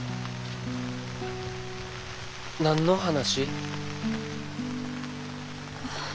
何の話？